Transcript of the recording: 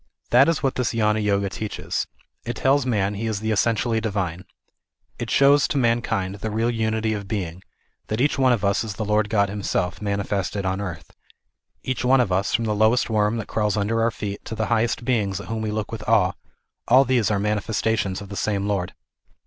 That is what this Gnana Yoga teaches. It tells man he is the essentially divine. It shows to mankind the real unity of being ; that each one of us is the Lord God himself, manifested on earth. Each one of us, from the lowest worm that crawls under our feet to the highest beings at whom we look with awe, all these are manifestations of the same Lord.